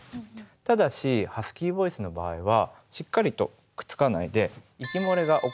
ただしハスキーボイスの場合はしっかりとくっつかないで息漏れが起こってしまいます。